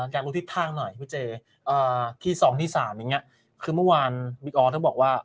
อยากรู้ทิศทางหน่อยพี่เจที๒ที๓คือเมื่อวานบิ๊กอ๋อบอกว่า